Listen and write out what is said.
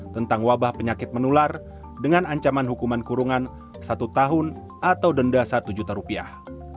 tentang wabah penyakit menular dengan ancaman hukuman kurungan satu tahun atau denda satu juta rupiah